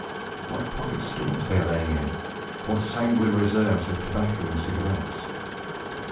What pocket stores they were laying in! What sanguine reserves of tobacco and cigarettes!